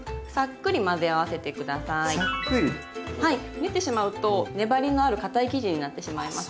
練ってしまうと粘りのあるかたい生地になってしまいます。